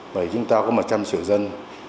bởi chúng ta có một trăm linh triệu dân